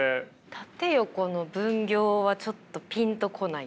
縦横の分業はちょっとピンとこないです。